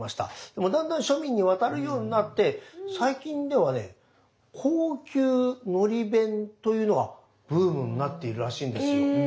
でもだんだん庶民に渡るようになって最近ではね「高級のり弁」というのがブームになっているらしいんですよ。